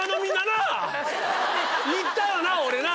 行ったよな俺な？